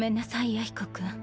弥彦君。